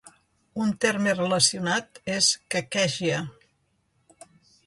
Un terme relacionat és caquèxia.